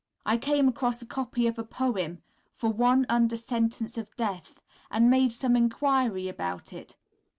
I came across a copy of a poem "For one under Sentence of Death," and made some enquiry about it.